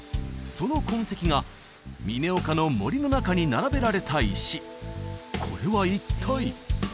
その痕跡が嶺岡の森の中に並べられた石これは一体？